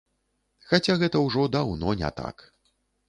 Хаця гэта ўжо даўно не так.